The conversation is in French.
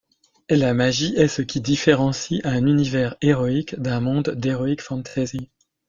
La magie est ce qui différencie un univers héroïque d'un monde d'Heroic fantasy.